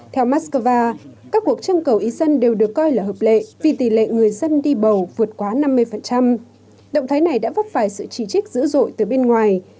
theo moscow các cuộc trưng cầu ý dân đều được coi là hợp lệ vì tỷ lệ người dân đi bầu vượt quá năm mươi động thái này đã vấp phải sự chỉ trích dữ dội từ bên ngoài